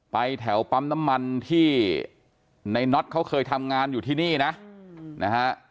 แถวปั๊มน้ำมันที่ในน็อตเขาเคยทำงานอยู่ที่นี่นะนะฮะ